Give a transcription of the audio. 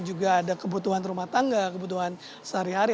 juga ada kebutuhan rumah tangga kebutuhan sehari hari